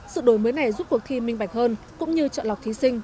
sự đổi mới này giúp cuộc thi minh bạch hơn cũng như chọn lọc thí sinh